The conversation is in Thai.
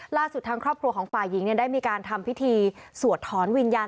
ล่าสุดทางครอบครัวของฝ่ายหญิงได้มีการทำพิธีสวดถอนวิญญาณ